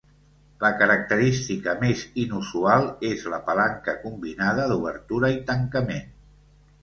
La característica més inusual és la palanca combinada d'obertura i tancament.